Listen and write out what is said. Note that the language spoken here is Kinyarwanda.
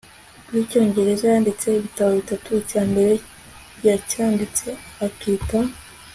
rw'icyongereza. yanditse ibitabo bitatu icya mbere yacyanditse akita